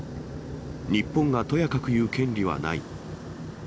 日本がとやかく言う権利はない。